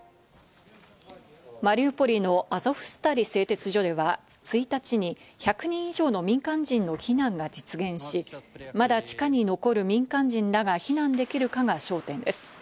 マリウポリのアゾフスタリ製鉄所では１日に１００人以上の民間人の避難が実現し、まだ地下に残る民間人らが避難できるかが焦点です。